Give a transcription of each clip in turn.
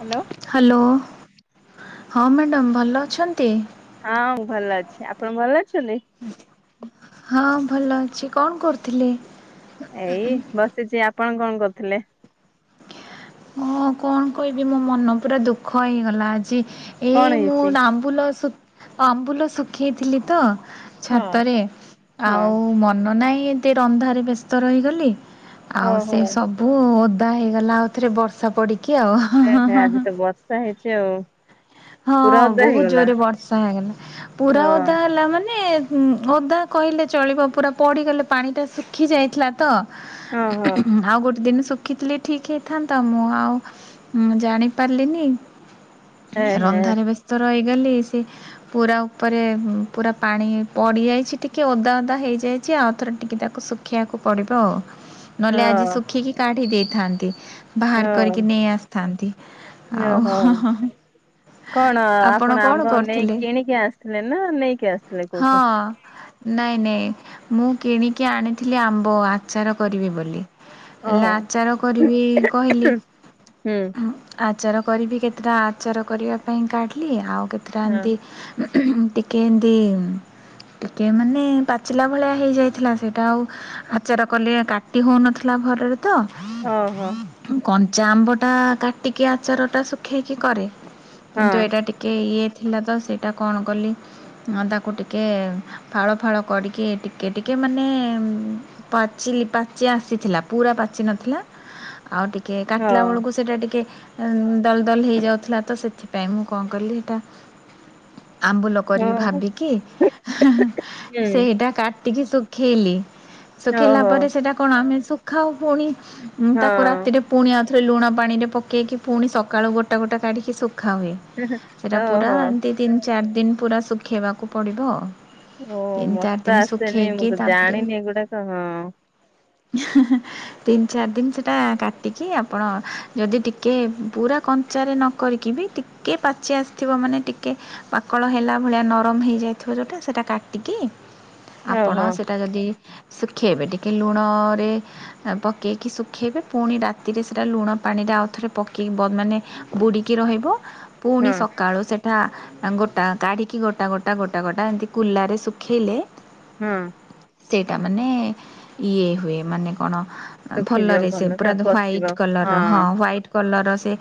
Hello. Hello, ହଁ madam ଭଲ ଅଛନ୍ତି? ହଁ ଭଲ ଅଛି, ଆପଣ ଭଲ ଅଛନ୍ତି? ହଁ ଭଲ ଅଛି, କଣ କରୁଚନ୍ତି? ଏଇ ବସିଚି, ଆପଣ କଣ କରୁଥିଲେ? ହଁ କଣ କହିବି ମୋ ମନ ପୁରା ଦୁଃଖ ହେଇଗଲା ଆଜି ଏଇ କଣ ମୁଁ ହେଇଛି? ନାମ ମ୍ବୁଲ ଶୁଖ୍ ଆମ୍ବୁଲ ଶୁଖେଇଥିଲି ତ ହଁ। ଛାତରେ ହଁ ଆଉ ମନ ନାହିଁ ଏ ରନ୍ଧାରେ ବ୍ୟସ୍ତ ରହିଗଲି। ଆଉ ଓହୋ ସେ ସବୁ ଓଦା ହେଇଗଲା ଆଉଥରେ ବର୍ଷା ପଡିକି ଆଉ। ସେ ଆଜି ତ ବର୍ଷା ହେଇଚି ଆଉ। ହଁ ପୁରା ଓଦା ବହୁତ ହେଇଗଲା। ଜୋରରେ ବର୍ଷା ହେଇଗଲା ପୁରା ଓଦା ହଁ ହେଲା ମାନେ ଓଦା କହିଲେ ଚଳିବ ପୁରା ପଡ଼ିଗଲେ ପାଣିଟା ଶୁଖି ଯାଇଚି ତ ଓହୋ ଆଉ ଗୋଟେ ଦିନ ରଖିଥିଲି ଠିକ୍ ହେଇଥାନ୍ତା ମୁଁ ଆଉ ଜାଣିପାରିଲିନି ଏ ହେ ରନ୍ଧାରେ ବ୍ୟସ୍ତ ରହିଗଲି ସେ ପୁରା ଉପରେ ପୁରା ପାଣି ପଡି ଯାଇଚି ଟିକେ ଓଦା ଓଦା ହେଇଯାଇଚି, ଆଉ ଥରେ ଟିକେ ତାକୁ ଶୁଖ୍ ଖିଆକୁ ପଡିବ ଆଉ। ଓ ନହେଲେ ଆଜି ଶୁଖିକି କାଢି ଦେଇଥାନ୍ତି। ଓ ବାହାର କରିକି ନେଇ ଆସିଥାନ୍ତି। ଆଉ, ଓହୋ। ହଁ ହଁ। କଣ ଆପଣ ଆମ୍ବ ନେଇ, କରୁଥିଲେ? କିଣିକି ଆସିଥିଲେ ନା ନେଇକି ଆସିଥିଲେ ହଁ କୋଉଠୁ? ନାଇଁ, ନାଇଁ, ମୁଁ କିଣିକି ଆଣିଥିଲି, ଆମ୍ବ ଆ ଆଚାର କରିବି ବୋଲି! ହେଲେ ହଁ। ଆଚାର କରିବି କହିଲି ହୁଁ ହୁଁ। ଆଚାର କରିବି କେତେଟା, ଆଚାର କରିବା ପାଇଁ କାଢ଼ିଲି, ଆଉ କେତେଟା ହଁ ଏମିତି ଟିକେ ଏଁତି ଉଁ ଟିକେ ମାନେ ପାଚିଲା ଭଳିଆ ହେଇଯାଇଥିଲା। ସେଇଟା ଆଉ ଆଚାର କଲେ କାଟି ହଉନଥିଲା, ଭରରେ ତ ଓହୋ! କଞ୍ଚା ଆମ୍ବ ଟା କାଟିକି, ଆଚାରଟା ଶୁଖେଇକି କରେ। ହଁ କିନ୍ତୁ, ଏଇଟା ଟିକେ ଇଏ ଥିଲା ତ, ସେଇଟା କଣ କଲି? ତାକୁ ଟିକେ ଫାଳ ଫାଳ କରିକି, ଟିକେ ଟିକେ ମାନେଁ ଏମ୍ ପାଚିଲି ପାଚି ଆସିଥିଲା। ପୁରା ପାଚି ନଥିଲା। ଆଉ ଟିକେ ହଁ କାଟିଲା ବଳକୁ ସେ ସେଟା ଟିକେ ଦଲ ଦଲ ହେଇଯାଉଥିଲା ତ ସେଥିପାଇଁ, ମୁଁ କଣ କଲିି ହେଟା ଆମ୍ବୁଲ। କରିବି ହଁ ଭାବିକି, ହୁଁ ହୁଁ, ହୁଁ ସେଇଟା କାଟିକି ଶୁଖେଇଲି। ଶୁଖେଇିଲା ଓହୋ ପରେ ସେଟା କଣ ଆମେ ଶୁଖାାଉ, ପୁଣି ତାକୁ ହଁ ରାତିରେ ପୁଣି ଆଉଥରେ ଲୁଣ ପାଣିରେ ପକେଇକି ପୁଣି ସକାଳୁ ଗୋଟା ଗୋଟା କାଢ଼ିକି ଶୁଖା ହୁଏ। ସେଇଟା ପୁରା ଓହୋ। ଏମିତି ତିନ ଚାରି ଦିନ ପୁରା ଶୁଖେଇବାକୁ ପଡ଼ିବ। ଓ ତିନି ଚାରି ମତେ ତ ଦିନ ଆସେନି, ଶୁଖେଇକି ମୁଁ ତ ତାପରେ ଜାଣିନି ଏଗୁଡାକ। ହଁ। ତିନି ଚାରି ଦିନ ସେଟା କାଟିକି ଆପଣ ଯଦି ଟିକେ ପୁରା କଞ୍ଚାରେ ନ କରିକି ବି ଟିକେ ପାଚି ଆସିଥିବ, ମାନେ ଟିକଏ ପାକଳ ହେଲା ଭଳିଆ ନରମ ହେଇଯାଇଥିବ, ଯୋଉଟା ସେଟା କାଟିକି ଆପଣ ଓହୋ ସେଇଟା ଯଦି ଶୁଖେଇବେ ଟିକେ, ଲୁଣରେ ପକେଇକି ଶୁଖେଇବେ। ପୁଣି ରାତିରେ ସେଇଟା ଲୁଣ ପାଣିରେ ଆଉଥରେ ପକେଇି ମାନେ ବୁଡ଼ିକି ରହିବ। ପୁଣି ହଁ ସକାଳୁ ସେ ଟା ଗୋଟା କାଢିକି ଗୋଟା ଗୋଟା ଗୋଟା ଗୋଟା ଏମିତି କୁଲରେ ଶୁଖେଇଲେ ହଁ। ସେଇଟା ମାନେ ଇଏ ହୁଏ। ମାନେ କଣ? ଶୁଖିଯିବ ଭଲରେ ସେ ପୁରା, ଆଉ ପଶିବ ହ୍ୱାଇଟ୍ କଲର ହଁ। ହ୍ୱାଇଟ୍ କଲର, ସେ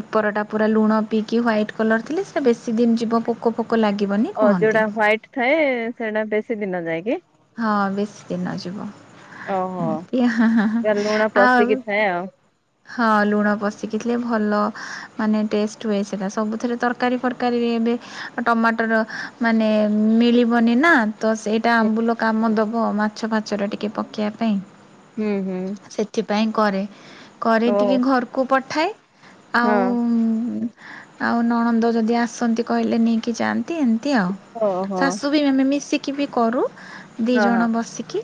ଉପରଟା ପୁରା ଲୁଣ ପିଇକି, ହ୍ୱାଇଟ୍ କଲର ଥିଲେ, ସେଇ ବେଶୀ ଦିନ ଯିବ। ପୋ କ ପୋକ ଲାଗିବନି। ଓ! କୁହନ୍ତି। ଯୋଉଟା ହ୍ୱାଇଟ୍ ଥାଏ, ସେଇଟା ବେଶୀ ଦିନ ଯାଏ କି? ହଁ, ବେଶୀ ଦିନ ଯିବ। ଓହୋ କି ହିଁ ହିଁ ଆଉ ଏ ଆଉ ହଁ, ଲୁଣ ପଶିିକିଥିଲେ ଭଲ ମାନେ ଟେଷ୍ଟ ହୁଏ। ସେଟା ସବୁଥିରେ ଦର ତରକାରୀ ଫରକାରୀରେ ବି ଟମାଟର ମାନେ, ମିଳିବନି ନା। ତ ସେଇଟା ହୁଁ ଆମ୍ବୁଲ କାମ ଦବ। ମାଛ ଫାଛରେ ଟିକେ ପକେଇବା ପାଇଁ। ହୁଁ, ହୁଁ। ସେଥିପାଇଁ କରେ। କରେ ଓ ଟିକେ ଘରକୁ ପଠାଏ। ହଁ ଆଉଁ ଆଉ ନଣନ୍ଦ ଯଦି ଆସନ୍ତି, କହିଲେ ନେଇକି ଯାଆନ୍ତି ଏମିତି ଆଉ। ଓହୋ! ଶାଶୁ ବି ମାମେ ମିଶିକି ବି କରୁ। ଦି ହଁ ହଁ ଜଣ ବସିକି,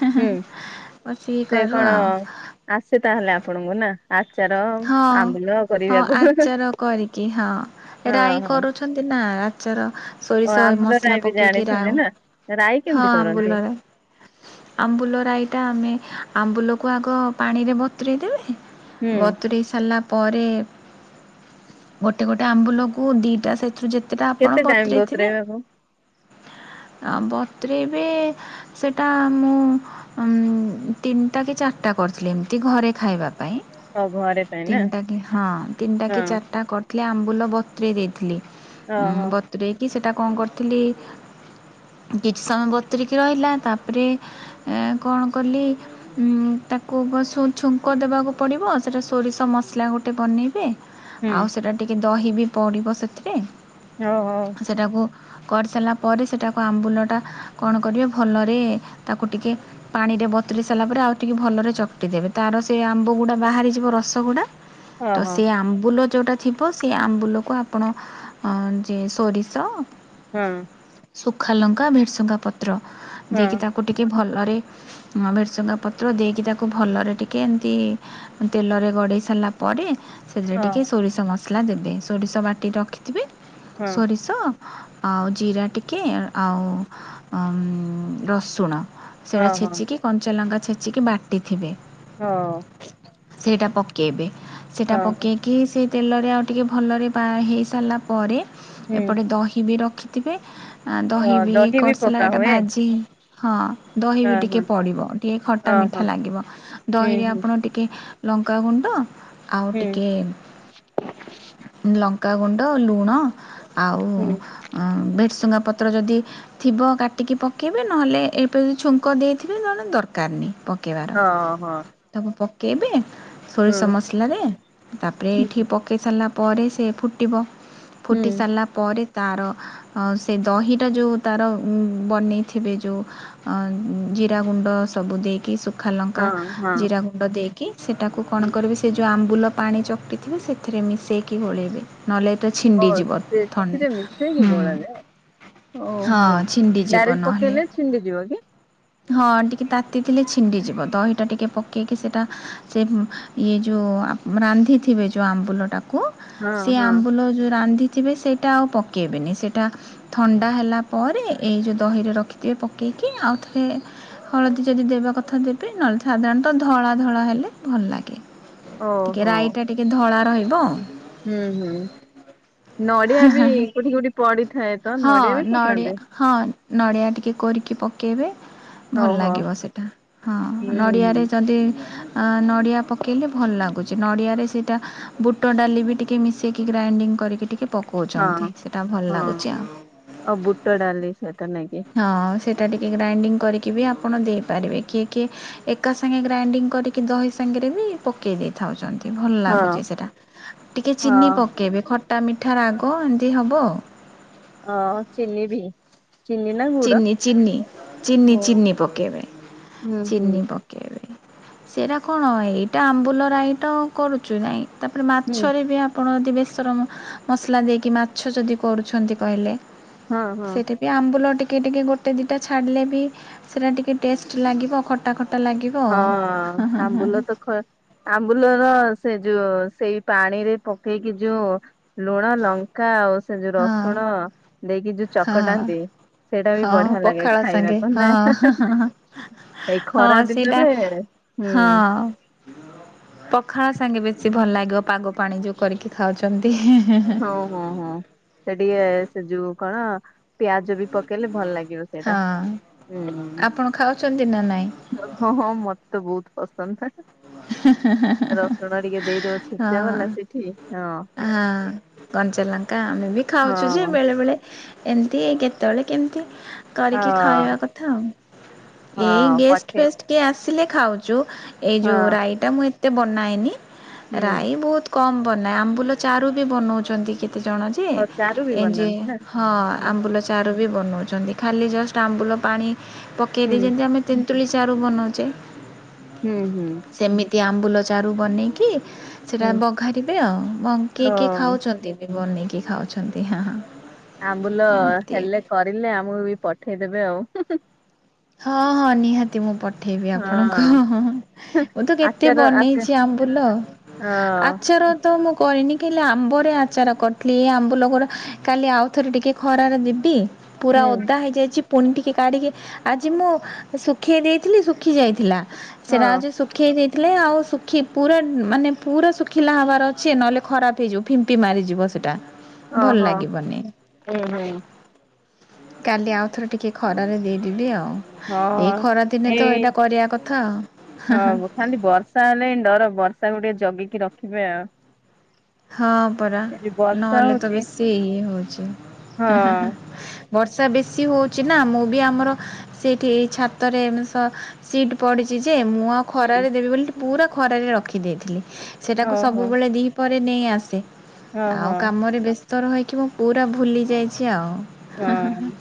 ହିଁ ହିଁ ହୁଁ ହିଁ, ବସିକି ସେ କରୁ କଣ ଆଉ। ଆସେ ତାହେଲେ ଆପଣଙ୍କୁ ନା! ଆଚାର, ହଁ। ଆମ୍ବୁଲ ହଁ କରିବାକୁ। ଆଚାର ହଁ, ହଁ। ଅଛନ୍ତି ନା! ଆଚାର ସୋରିଷ ଆମ୍ବୁଲ ରାଇ ମସଲା ବି ପକେଇକି ଜାଣିଛନ୍ତି ରାଉ ନା? ରାଇ କେମିତି ହଁ, କରନ୍ତି ବୁଲରେ। ଆମ୍ବୁଲ ରାଈଟା ଆମେ ଆମ୍ବୁଲକୁ ଆଗ ପାଣିରେ ବତୁରେଇ ଦେବେ। ହୁଁ ବତୁୁର ସାରିଲା ପରେ। ଗୋଟେ ଗୋଟେ ଆମ୍ବୁଲ କୁ ଦିଟା ସେଥିରୁ ଯେ କେତେଟା ଆପଣ କେତେ ଟାଇମ ବତରେଇଥିବେ ବତୁରେଇବାକୁ? ଆ ବତ୍ରେଇବେ। ସେଇଟା ମୁଁ। ଉଁ ତିନିଟା କି ଚାରିଟା କରିଥିଲି ଏମିତି ଘରେ ଖାଇବା ପାଇଁ। ଆଉ ଘରେ ପାଇଁ ନା ତିନଟା କି ହଁ ତିନଟା କି ହଁ ଚାରିଟା କର ଥିଲି ଆମ୍ବୁଲ ବତୁରେଇ ଦେଇଥିଲି ଓହୋ ବତୁରେଇକି ସେଟା କଣ କରିଥିଲି। କିଛି ସମୟ ବତୁରିକି ରହିଲା ତାପରେ କଣ କଲି। ହୁଁ ତାକୁ ବସ ଛୁଙ୍କ ଦେବାକୁ ପଡ଼ିବ ସେଇଟା ସୋରିଷ ମସଲା ଗୋଟେ ବନେଇବେ। ହୁଁ ଆଉ ସେଟା ଟିକେ ଦହି ବି ପଡ଼ିବ ସେଥିରେ। ଉ ହଉ। ସେଟାକୁ କରିସାରିଲା ପରେ ସେଟାକୁ ଆମ୍ବୁଲ। ଟା କଣ କରିବେ ଭଲରେ ତାକୁ ଟିକିଏ। ପାଣି ରେ ବତୁରେଇ ସାରିଲା ପରେ ଆଉ ଟିକେ ଭଲରେ ଚକଟି ଦେବେ ତାର ସେ ଆମ୍ବ ଗୁଡା ବାହାରିଯିବ ରସ ଗୁଡା। ତ ଓହୋ ସେ ଆମ୍ବୁଲ ଯୋଉଟା। ଥିବ ସେ ଆମ୍ବୁଲକୁ ଆପଣ ଯେ ସୋରିଷ। ହଁ। ଶୁଖାଲଙ୍କା, ଭେରସୁଙ୍ଗା ପତ୍ର ହଁ ଦେଇକି ତାକୁ ଟିକେ ଭଲରେ। ଭେରସୁଙ୍ଗା ପତ୍ର ଦେଇକି ତାକୁ ଭଲରେ ଟିକେ ଏମତି। ତେଲରେ ଗଡ଼େଇ ସାରିଲା ପରେ। ସେଥିରେ ଓ ଟିକିଏ ସୋରିଷ ମସଲା ଦେବେ ସୋରିଷ ବାଟି ରଖିଥିବେ ହଁ ସୋରିଷ। ଆଉ ଜିରା ଟିକେ ଆଉ ରସୁଣ। ସେଇଟା ଓହୋ ଛେଚିକି କଞ୍ଚା ଲଙ୍କା ଛେଚିକି ବାଟି ଥିବେ। ହଉ। ସେଇଟା ପକେଇବେ ସେଇଟା ଓହୋ ପକେଇକି ସେ ତେଲରେ ଆଉ ଟିକିଏ ଭଲରେ ହେଇସାରିଲା ପରେ ହୁଁ ଏପଟେ ଦହି ବି ରଖିଥିବେ। ଅ ଦହି ବି। ସଲା ପକା ଏଇଟା ହୁଏ ଭାଜି ହଁ ଦହି ବି ହଁ ଟିକେ ହଁ ପଡ଼ିବ ଟିକେ ଖଟା ଓହୋ ମିଠା ଲାଗିବ। ହୁଁ ଦହିରେ ହୁଁ ଆପଣ ଟିକେ ଲଙ୍କାଗୁଣ୍ଡ ଆଉ ହୁଁ ଟିକେ। ଲଙ୍କାଗୁଣ୍ଡ, ଲୁଣ ଆଉ। ହୁଁ ଭେରଶୁଙ୍ଗା ପତ୍ର ଯଦି। ଥିବ କାଟିକି ପକାଇବେ ନହେଲେ ଏବେ ଯଦି ଛୁଙ୍କ ଦେଇଥିବେ ନହେଲେ ଦରକାର ନାହି ପକେଇବା। ଅ ହୋ। ତାକୁ ପକେଇବେ ସୋରିଷ ମସଲାରେ ତାପରେ ଏଇଠି ହୁଁ ପ ପକେଇ ସାରିଲା ପରେ ସେ ଫୁଟିବ ହୁଁ ଫୁଟି ସାରିଲା ପରେ। ତାର ସେ ଦହିଟା ଯଉ। ତାର ବନେଇଥିବେ ଯଉ ଜିରା ଗୁଣ୍ଡ ସବୁ ଦେଇକି ଏ ସବୁ ସୁଖା ଲଙ୍କା, ହଁ ହଁ ଜିରା ଗୁଣ୍ଡ ଦେଇକି ସେଟାକୁ କଣ ହୁଁ। କରିବେ ସେ ଯଉ ଆମ୍ବୁଲ ପାଣି ଚକଟିଥିବେ ସେଥିରେ ମିଶେଇକି ଗୋଳେଇବେ। ନହେଲେ ଏଇଟା ଓ ଛିଣ୍ଡି ଯିବ ଥ ସେଥିରେ ମିଶେଇକି ହୁଁ। ଗୋଳା ଯାଏ ହଁ ଛିଣ୍ଡିଯିବ ନହେଲେ। ଛିଣ୍ଡି ଯିବ କି? ହଁ ଟିକେ ତାତିଥିଲେ ଛିଣ୍ଡିଯିବ ଦହିଟା ଟିକେ ପକେଇକି ସେଟା। ସେ ଇଏ ଯୋଉ ରାନ୍ଧିଥିବେ ଯୋଉ ଆମ୍ବୁଲଟା। କୁ ହଁ ସେ ହଁ ଆମ୍ବୁଲ ଯଉ ରାନ୍ଧିଥିବେ ସେଇଟା ଆଉ ପକେଇବେନି ସେଟା। ଥଣ୍ଡା ହେଲା ପରେ ଏଇ ଯଉ ଦହିରେ ରଖିଥିବେ ପକେଇକି ଆଉଥ ସେ ହଳଦୀ ଯଦି ଦେବା କଥା ଦେବେ ନହେଲେ ସାଧାରଣତଃ ଧଳା ଧଳା ହେଲେ ଭଲ ଲାଗେ। ଟିକେ ଓହୋ ରାଇ ଟା ଟିକେ ଧଳା ରହିବ। ହୁଁ ହୁଁ ନଡିଆ ବି କୋଉଠି କୋଉଠି ପଡିଥାଏ ତ ହଁ ନଡିଆ ବି ନଡ଼ିଆ ପକାନ୍ତି। ହଁ ନଡ଼ିଆ ଟିକେ କୋରିକି ପକେଇବେ। ଭଲ ଓହୋ ଲାଗିବ ସେଟା ହଁ ହୁଁ ହୁଁ ନଡ଼ିଆରେ ଯଦି ଅ ନଡ଼ିଆ ପକେ ପକେଇଲେ ଭଲ ଲାଗୁଛି ନଡ଼ିଆରେ ସେଇଟା ବୁଟ ଡାଲି ବି ଟିକେ ମିଶେଇକି ଗ୍ରାଇଣ୍ଡିଙ୍ଗ କରିକି ଟିକେ ହଁ ପକଉଛନ୍ତି ସେଇଟା ଭଲ ହଁ ଲାଗୁଛି ଆଉ। ଆଉ ବୁଟ ଡ଼ାଲି ସହିତ ନେଇକି। ହଁ ସେଇଟା ଟିକେ ଗ୍ରାଇଣ୍ଡିଙ୍ଗ କରିକି ବି ଆପଣ ଦେଇପାରିବେ। କିଏ କିଏ ଏକା ସାଙ୍ଗେ ଗ୍ରାଇଣ୍ଡିଙ୍ଗ କରିକି ଦହି ସାଙ୍ଗେରେ ବି ପକେଇ ଦେଇଥାଉଛନ୍ତି ଭଲ ହଁ ଲାଗୁଛି ସେଟା ଟିକେ ହଁ ଚିନି ପକେଇବେ ଖ ଟା ମିଠା ରାଗ ଏମିତି ହେବ ଆଉ। ଅ ଚିନି ବି। ଚିନି ନା? ଗୁଡ ଚିନି ଚିନି ଚିନି ଓ ଚିନି ପକେଇବେ ହୁଁ ହୁଁ ଚିନି ପ କେବେ ସେଇରା କଣ ଏଇଟା ଆମ୍ବୁଲ ରାଇ ତ କରୁଛୁ ନାଇଁ। ତାପରେ ହୁଁ ମାଛରେ ବି ଆପଣ ଯଦି ବେସର ମସଲା ଦେଇକି ମାଛ ଯଦି କରୁଛନ୍ତି କହିଲେ। ହଁ ହଁ। ସେଇଟା ବି ଆମ୍ବୁଲ ଟିକେ ଟିକେ ଗୋଟେ ଦିଟା ଛାଡ଼ିଲେ ବି ସେଇରା ଟିକେ ଟେଷ୍ଟ ଲାଗିବ ଖଟା ଖଟା ଲାଗିବ। ଆଉ। ହଁ ହଁ ହଁ ଆମ୍ବୁଲା ତ ଖ ଆମ୍ବୁଲର ସେ ଯୋଉ ସେଇ ପାଣିରେ ପକେଇକି ଯୋଉ ଲୁଣ ଲ ଙ୍କା ଆଉ ସେ ଯୋଉ ହଁ ରସୁଣ ଦେଇକି ଯୋଉ ହଁ। ଚକଟାନ୍ତି। ସେଇଟା ବି ହଁ ବଢିଆ ଲାଗେ ପଖାଳ ସାଙ୍ଗେ ଖାଇବାକୁ ନା ହଁ ଆ ହଁ ହଁ ଏଇ ଖରା ହଁ ଦିନେ ସେଇଟା ହୁଁ। ହଁ ପଖାଳ ସାଙ୍ଗେ ବେଶୀ ଭଲ ଲାଗିବ ପାଗ ପାଣି ଯୋଉ କରିକି ଖାଉଛନ୍ତି ହେ ହେ ହେ। ହଁ ହଁ ହଁ ସେ ଟିକେ ସେ ଯୋଉ କଣ ପିଆଜ ବି ପକେଇଲେ ଭଲ ଲାଗିବ। ସେଇଟା ହଁ ହୁଁ। ଆପଣ ଖାଉଛନ୍ତି ନା ନାଇଁ? ହଁ ହଁ ମତେ ତ ବହୁତ ପସନ୍ଦ। ରସୁଣ ଟିକେ ଦେଇଦବ ଛେଚା ହଁ ବାଲା ସେଠି ହଁ ହଁ। କଞ୍ଚାଲଙ୍କା ଆମେ ବି ଖାଉଛୁ ଯେ ହଁ ବେଳେବେଳେ ଏମିତି କେତେବେଳେ କେମିତି। କରିକି ଖାଇବା ହଁ କଥା ଆଉ ଏଇ ହଁ ଗେଷ୍ଟ ପଠେଇ ଫେଷ୍ଟ କିଏ ଆସିଲେ ଖାଉଛୁ ଏଇ ଯେଉଁ ହଁ ରାଇଟା ମୁଁ ଏତେ ବନାଏନି ହୁଁ ରାଇ ବହୁତ କମ ବନାଏ ଆମ୍ବୁଲ ଚାରୁ ବି ବନଉଛନ୍ତି କେ ତେ ଜଣ ଯେ ଆଉ ଚାରୁ ବି ଏଜେ ବନାନ୍ତି ନା ହଁ ହୁଁ ଆମ୍ବୁଲ ଚାରୁ ବି ବନଉଛନ୍ତି ଖାଲି ଜଷ୍ଟ ଆମ୍ବୁଲ ପାଣି ପକେଇ ହୁଁ ଦେଇ ଯେମନ୍ତି ଆମେ ତେନ୍ତୁଳି ଚାରୁ ବନଉଛେ। ହୁଁ ହୁଁ। ସେମିତି ଆମ୍ବୁଲ ଚାରୁ ବନେଇକି ସେଟା ହୁଁ ବଘାରିବେ ଆଉ କିଏ କିଏ ହଁ। ଖାଉଛନ୍ତି ବନେଇକି ଖାଉଛନ୍ତି। ଆମ୍ବୁଲ ଏମିତି ହେଲେ କରିଲେ ଆମକୁ ବି ପଠେଇଦେବେ ଆଉ। ହଁ ହଁ ନିହାତି। କେମନ୍ତି ମୁଁ ପଠେଇବି ଆପଣଙ୍କୁ ହଁ। ମୁଁ ତ କେତେ ଆଚାର ଆଚା ବନେଇଛି ଆମ୍ବୁଲ। ହଁ ଆଚାର ତ ମୁଁ କରିନି ଖାଲି ଆମ୍ବରେ ଆଚାର କରିଥିଲି ଏଇ ଆମ୍ୱୁଲ ଗୁରା କାଲି ଆଉଥରେ ଟିକେ ଖରାରେ ଦେବି ପୁରା ହୁଁ ଓଦା ହେଇଯାଇଛି ପୁଣି ଟିକେ କାଢିକି ଆଜି ମୁଁ ଶୁଖେଇ ଦେଇଥିଲି ଶୁଖି ଯାଇଥିଲା ହଁ ସେରା ଆଜି ଶୁ ଶୁଖେଇ ଦେଇଥିଲେ ଆଉ ଶୁଖି ପୁରା ମାନେ ପୁରା ଶୁଖିଲା ହେବାର ଅଛି ନହେଲେ ଖରାପ ହେଇଯିବ। ଫିମ୍ପି ମାରିଯିବ ସେଟା ଭଲ ଓହୋ ଲାଗିବନି। ହୁଁ ହୁଁ। କାଲି ଆଉଥରେ ଟିକେ ଖରାରେ ଦେଇଦବି ଆଉ। ଏଇ ହଁ ଖରାଦିନେ ତ ଏଇ ଏଇଟା କରିବା କଥା ଆ। ହଁ ଖାଲି ବର୍ଷା ହେଲେ ଡର ବର୍ଷାକୁୁ ଟିକେ ଜଗିକି ରଖିବେ ଆଉ। ହଁ ପରା ଏ ଯୋଉ ବର୍ଷା ନହେଲେ ତ ହଉଛି ବେଶୀ ଇଏ ହଉଛି ହା ହା ହା। ହଁ ବର୍ଷା ବେଶୀ ହୋଉଛି ନା ମୁଁ ବି ଆମର ସେଠି ଏଇ ଛାତରେ ସ ସିଟ ପଡିଛି ଯେ ମୁ ଆଉ ହୁଁ ଖରାରେ ଦେବି ବୋଲି ପୁରା ଖରାରେ ରଖିଦେଇଥିଲି ସେଟାକୁ ଓହୋ ସବୁବେଳେ ଦି ପହରେ ନେଇ ଆସେ। ଆଉ ଓହୋ କାମରେ ବ୍ୟସ୍ତ ରହିକି ମୁଁ ପୁରା ଭୁଲି ଯାଇଛି ଆଉ। ହଁ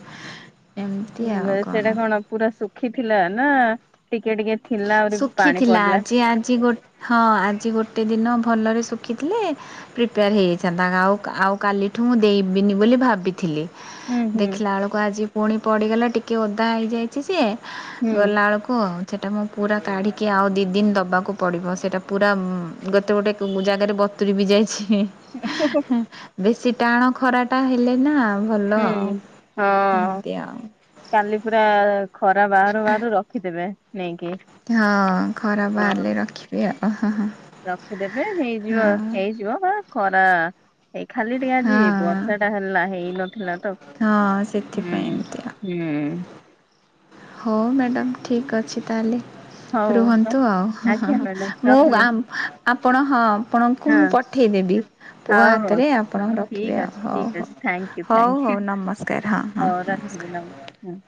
ଏମିତି ଉଁ, ଆଉ ସେଇଟା କଣ। ପୁରା ଶୁଖିଥିଲା ନାଁ ଟିକେ ଟିକେ ଥିଲା ଆହୁରି ପାଣି ଶୁଖିଥିଲା ପଡିଲା ଆଜି ଆଜି ଗୋ ହଁ ଆଜି ଗୋଟେ ଦିନ ଭଲରେ ଶୁଖିଥିଲେ ପ୍ରିପେୟାର ହେଇ ଯାଇଥାନ୍ତା ଆଉ ଆଉ କାଲିଠୁ ମୁଁ ଦେଇବିନି ବୋଲି ଭାବିଥିଲି। ଉୁଁ ହୁଁ ଦେଖିଲା ବେଳକୁ ଆଜି ପୁଣି ପଡିଗଲା ଟିକେ ଓଦା ହେଇଯାଇ ଛି ଯେ ହୁଁ ଗଲାଳକୁ ସେଟା ମୁଁ ପୁରା କାଢ଼ିକି ଆଉ ଦି ଦିନ୍ ଦବାକୁ ପଡ଼ିବ ସେଟା ପୁରା ଉଁ ଗୋଟେ ଗୋଟେ ଜାଗାରେ ବ ବତୁରି ବି ଯାଇଛି। ଏ ହେ ହେ ବେଶୀ ଟାଣ ଖରା ଟା ହେଲେ ନାଁ ଭଲ ଆଉ ହୁଁ। ହଁ ଏମିତି ଆଉ। କାଲି ପୁରା ଖରା ବାହାରୁ ବାହାରୁ ରଖିଦେବେ ନେଇକି। ହଁ ଖରା ବାହାରିଲେ ହଁ। ରଖିବି ଆଉ ହଁ ହଁ। ରଖିଦେବେ ହେଇଯିବ ହେଇଯିବ ବାସ୍। ଖରା ଏଇ ଖାଲି ଟିକେ ଆଜିି ହଁ ବର୍ଷା ଟା ହେଲା ହେଇନ ହଁ ସେଥିପାଇଁ ଏମିତି ଆଉ। ହୁଁ। ହଉ ମ୍ୟାଡ଼ାମ ଠିକ୍ ଅଛି ତାହେଲେ। ହଉ ରୁହନ୍ତୁ ଆଉ ହ ହ ଆଜ୍ଞା ହ ମ୍ୟାଡାମ ମୁଁ ରଖିଲି ଆମ ଆପଣ ହଁ। ଆପଣଙ୍କୁ ହଁ ମୁଁ ପଠେଇଦେବି ପୁଅ ହଉ ହଉ ହାତରେ ଆପଣ ଠିକ ରଖିବେ ଆଉ ଅଛି ହଉ ଠିକ ହଉ। ଅଛି ଥ୍ୟାଙ୍କୟୁ ହଉ ଥ୍ୟାଙ୍କୟୁ ହଉ ନମସ୍କାର ହଁ ହଁ ହଉ ନମସ୍କାର। ରଥିଲି ନମସ୍କାର।